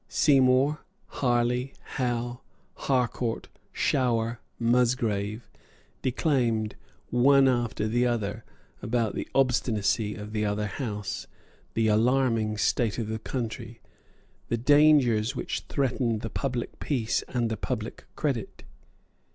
Seymour, Harley, Howe, Harcourt, Shower, Musgrave, declaimed, one after another, about the obstinacy of the other House, the alarming state of the country, the dangers which threatened the public peace and the public credit.